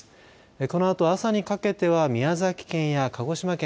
このあと朝にかけては宮崎県や鹿児島県